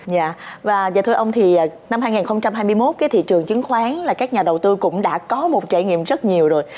dạ và thưa ông thì năm hai nghìn hai mươi một cái thị trường chứng khoán là các nhà đầu tư cũng đã có một trải nghiệm rất nhiều rồi